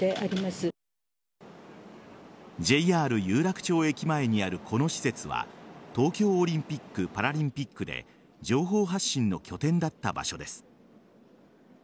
ＪＲ有楽町駅前にあるこの施設は東京オリンピック・パラリンピックで情報発信の拠点だった場所です。